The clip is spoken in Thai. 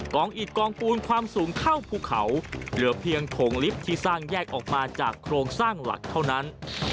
องอิดกองปูนความสูงเข้าภูเขาเหลือเพียงโถงลิฟท์ที่สร้างแยกออกมาจากโครงสร้างหลักเท่านั้น